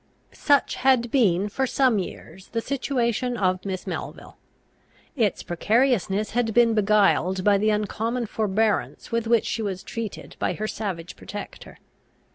Such had been for some years the situation of Miss Melville. Its precariousness had been beguiled by the uncommon forbearance with which she was treated by her savage protector.